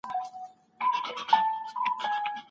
په ګڼ ډګر کي مړ سړی او ږیره ښکارېدل.